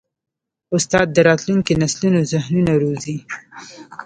استاد د راتلونکي نسلونو ذهنونه روزي.